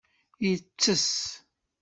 Yettess.